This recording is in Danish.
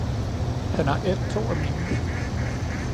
han har ædt to af mine.